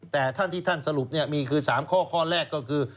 แต่ท่านที่ท่านสรุปมีคือ๓ข้อข้อแรกก็คือ